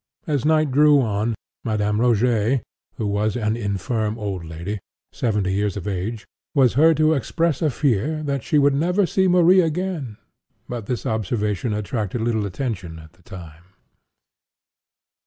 As night drew on, Madame Rogêt (who was an infirm old lady, seventy years of age,) was heard to express a fear "that she should never see Marie again;" but this observation attracted little attention at the time.